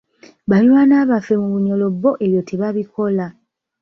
Baliraanwa baffe mu Bunyoro bo ebyo tebabikola.